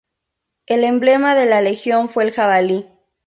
El emblema de la legión fue el jabalí.